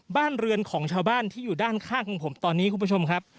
บ้านเรือนของชาวบ้านที่อยู่ด้านข้างของผมตอนนี้คุณผู้ชมครับ